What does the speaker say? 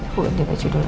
buat dia baju dulu ya